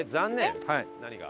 何が？